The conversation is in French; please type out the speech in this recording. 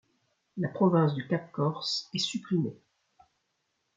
La province du Cap Corse est supprimée.